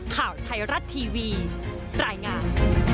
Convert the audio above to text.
ข่าวไทยรัฐทีวีรายงาน